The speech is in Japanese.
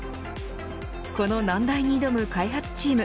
この難題に挑む開発チーム。